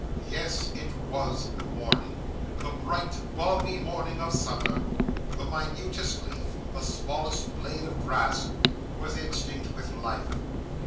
Yes, it was morning; the bright, balmy morning of summer; the minutest leaf, the smallest blade of grass, was instinct with life.